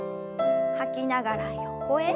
吐きながら横へ。